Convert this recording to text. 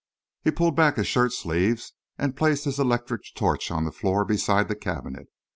He pulled back his shirt sleeves, and placed his electric torch on the floor beside the cabinet.